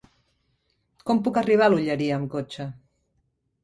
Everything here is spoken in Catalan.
Com puc arribar a l'Olleria amb cotxe?